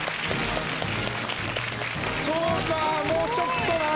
そうかもうちょっとな。